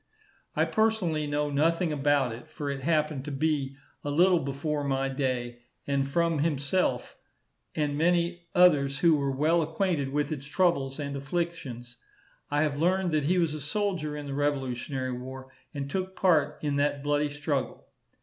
I personally know nothing about it, for it happened to be a little before my day; but from himself, and many others who were well acquainted with its troubles and afflictions, I have learned that he was a soldier in the revolutionary war, and took part in that bloody struggle.